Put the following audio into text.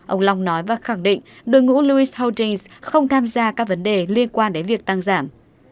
ông long nói và khẳng định đội ngũ louis hudings không tham gia các vấn đề liên quan đến việc tăng giảm